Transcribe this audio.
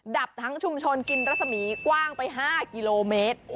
ดับทั้งชุมชนกินรัศมีกว้างไป๕กิโลเมตร